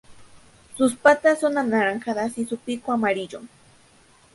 Sus patas son anaranjadas y su pico amarillo.